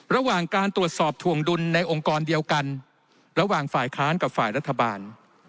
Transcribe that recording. ระหว่างการตรวจสอบถวงดุลในองค์กรเดียวกันระหว่างฝ่ายค้านกับฝ่ายรัฐบาล